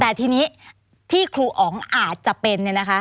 แต่ทีนี้ที่ครูอ๋อคอาจจะเป็นเนี่ยนะคะ